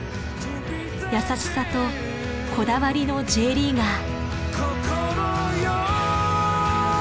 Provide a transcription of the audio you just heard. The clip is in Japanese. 優しさとこだわりのＪリーガー。